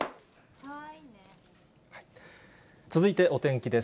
続いてお天気です。